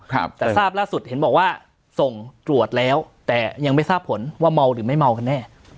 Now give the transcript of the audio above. แต่ทราบล่าสุดเห็นบอกว่าส่งตรวจแล้วแต่ยังไม่ทราบผลว่าเมาหรือไม่เมากันแน่